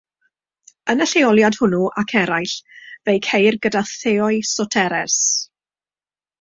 Yn y lleoliad hwnnw ac eraill fe'i ceir gyda "theoi soteres".